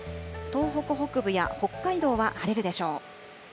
東北北部や北海道は晴れるでしょう。